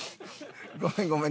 ごめんごめん。